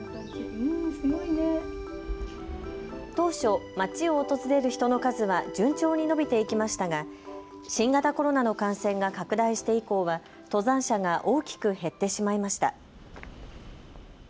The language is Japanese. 当初町を訪れる人の数は順調に伸びていきましたが新型コロナの感染が拡大して以降は登山者が大きく減ってしまいました。